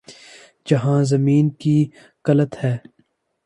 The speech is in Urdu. جہاں زمین کی قلت ہے۔